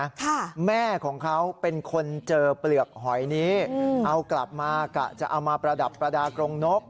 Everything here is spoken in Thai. ค่ะแม่ของเขาเป็นคนเจอเปลือกหอยนี้เอากลับมากะจะเอามาประดับประดากรงนก